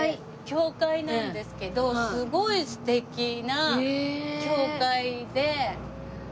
教会なんですけどすごい素敵な教会で。